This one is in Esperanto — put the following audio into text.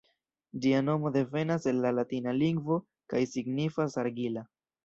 Ĝia nomo devenas el la latina lingvo kaj signifas "argila".